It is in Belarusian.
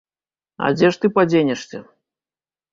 А дзе ж ты падзенешся?